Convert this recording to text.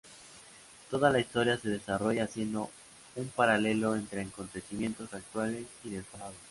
Todo la historia se desarrolla haciendo un paralelo entre acontecimientos actuales y del pasado.